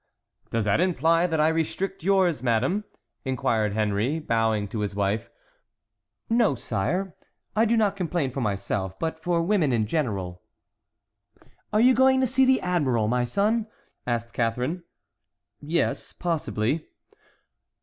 "Does that imply that I restrict yours, madame?" inquired Henry, bowing to his wife. "No, sire; I do not complain for myself, but for women in general." "Are you going to see the admiral, my son?" asked Catharine. "Yes, possibly."